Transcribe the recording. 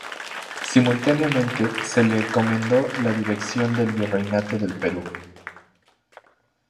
Simultáneamente, se le encomendó la dirección del Virreinato del Perú.